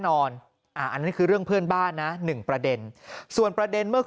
นอนอ่าอันนี้คือเรื่องเพื่อนบ้านนะหนึ่งประเด็นส่วนประเด็นเมื่อ